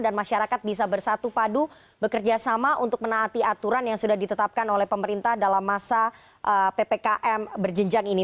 dan masyarakat bisa bersatu padu bekerja sama untuk menaati aturan yang sudah ditetapkan oleh pemerintah dalam masa ppkm berjenjang ini